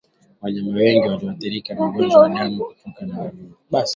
Wanyama wengine wanaoathirika na ugonjwa wa damu kutoganda ni ngamia